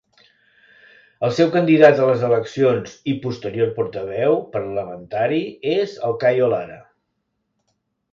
El seu candidat a les eleccions i posterior portaveu parlamentari és el Cayo Lara.